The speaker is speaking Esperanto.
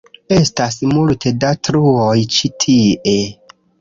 Estas multe da truoj ĉi tie.